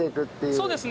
そうですね。